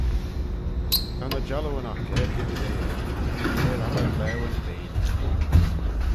Ta ny jallooyn oc argid as airh: eer obbyr laueyn deiney.